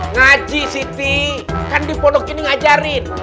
ngaji siti kan dipodok ini ngajarin